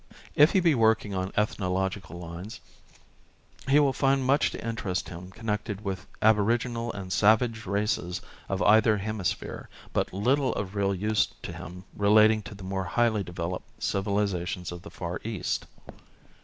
If he be working on ethnological lines, he will find much to interest him connected with aboriginal and savage races of either hemi sphere, but little of real use to him relating to the more highly developed civilizations of the Far East.